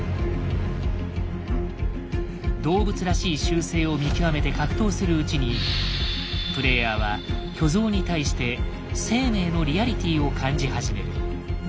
動物らしい習性を見極めて格闘するうちにプレイヤーは巨像に対して生命のリアリティを感じ始める。